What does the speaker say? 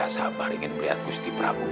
kau jangan khawatir